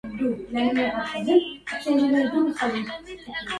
ما لي بأوطان أخص صفاتها